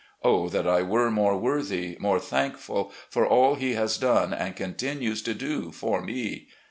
Oh, that I were more worthy, more thankfvil for all He has done and continues to do for me